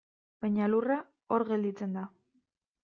Baina lurra, hor gelditzen da.